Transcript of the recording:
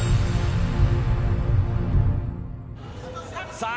さあ